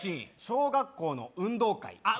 小学校の運動会あ